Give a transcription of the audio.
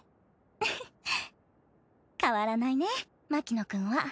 フフッ変わらないね牧野くんは。